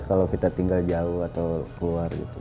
kalau kita tinggal jauh atau keluar gitu